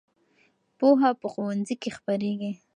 پوهه په ښوونځي کې خپرېږي.